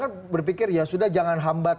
kan berpikir ya sudah jangan hambat